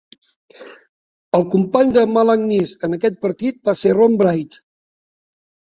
El company de McInnes en aquest partit va ser Ron Wright.